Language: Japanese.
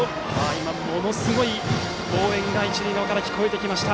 今、ものすごい応援が一塁側から聞こえました。